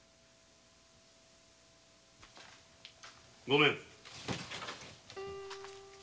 ・ごめん！